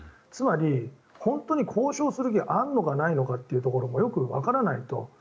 つまり、本当に交渉する気があるのかないのかというところがよくわからないと。